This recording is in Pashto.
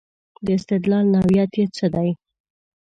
د استدلال نوعیت یې څه دی.